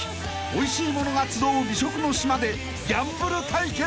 ［おいしい物が集う美食の島でギャンブル対決］